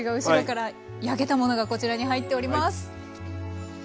焼けたものがこちらに入っております。